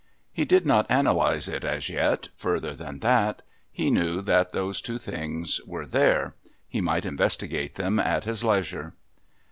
He did not analyse it as yet further than that he knew that those two things were there; he might investigate them at his leisure.